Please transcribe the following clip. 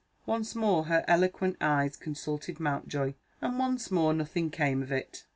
Once more her eloquent eyes consulted Mountjoy, and once more nothing came of it.